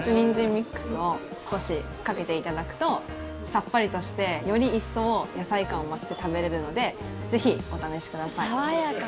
ミックスを少しかけていただくとさっぱりとしてより一層、野菜感を増して食べられるのでぜひ、お試しください。